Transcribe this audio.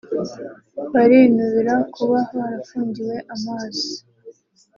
barinubira kuba barafungiwe amazi